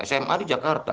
sma di jakarta